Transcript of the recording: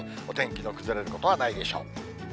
お天気の崩れることはないでしょう。